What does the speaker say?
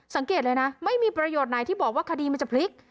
สังเกตเลยนะไม่มีประโยชน์ไหนที่บอกว่าคดีมันจะพลิก